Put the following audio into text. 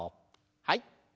はい。